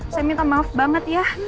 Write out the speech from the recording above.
saya minta maaf banget ya